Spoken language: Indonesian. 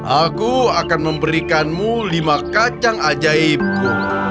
aku akan memberikanmu lima kacang ajaibku